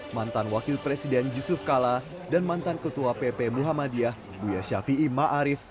mantan wakil presiden yusuf kala dan mantan ketua pp muhammadiyah buya shafi'i ma'arif